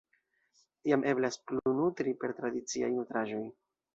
Tiam eblas plunutri per tradiciaj nutraĵoj.